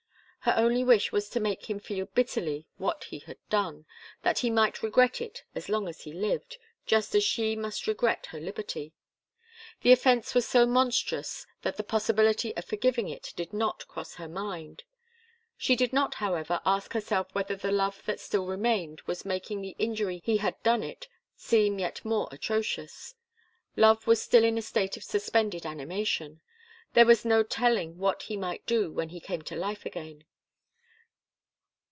Her only wish was to make him feel bitterly what he had done, that he might regret it as long as he lived, just as she must regret her liberty. The offence was so monstrous that the possibility of forgiving it did not cross her mind. She did not, however, ask herself whether the love that still remained was making the injury he had done it seem yet more atrocious. Love was still in a state of suspended animation there was no telling what he might do when he came to life again.